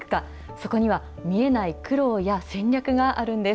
そこには、見えない苦労や戦略があるんです。